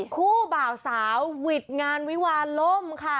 คู่เบ่าสาวหลี่งานวิวารลมค่ะ